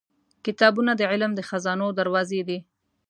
• کتابونه د علم د خزانو دروازې دي.